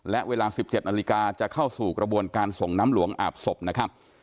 และเวลา๑๗นาฬิกาจะเข้าสู่กระบวนการส่งน้ำหลวงอาบศพนะครับ